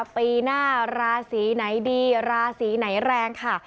ปีหน้าราศีไหนดีราศีไหนแรงค่ะ